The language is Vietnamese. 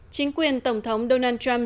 chính quyền tổng thống donald trump